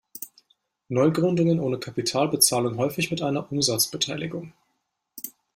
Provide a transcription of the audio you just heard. Neugründungen ohne Kapital bezahlen häufig mit einer Umsatzbeteiligung.